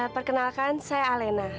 perkenalkan saya alena